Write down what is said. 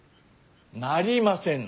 なりませぬ。